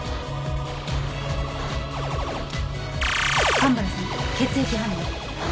蒲原さん血液反応。